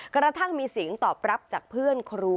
กระทั่งมีเสียงตอบรับจากเพื่อนครู